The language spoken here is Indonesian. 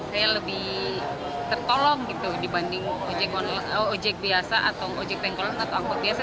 saya lebih tertolong gitu dibanding ojek biasa atau ojek pengkolan atau angkut biasa